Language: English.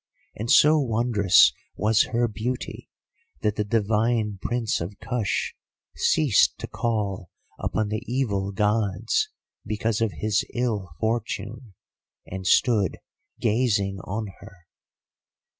And so wondrous was her beauty that the divine Prince of Kush ceased to call upon the evil Gods because of his ill fortune, and stood gazing on her.